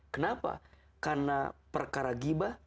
kenapa karena perkara ribah